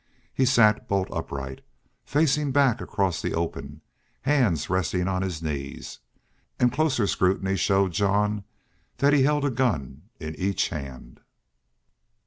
He sat bolt upright, facing back across the open, hands resting on his knees and closer scrutiny showed Jean that he held a gun in each hand.